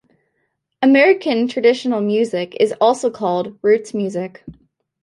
American traditional music is also called roots music.